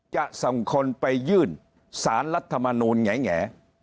จะส่งคนไปยื่นสารรัฐมนูลแง่